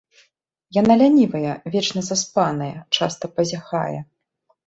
Яна лянівая, вечна заспаная, часта пазяхае.